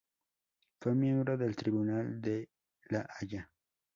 Fue miembro del Tribunal de la Haya.